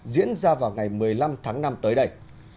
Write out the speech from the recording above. diễn ra vào ngày một mươi năm tháng năm tới đây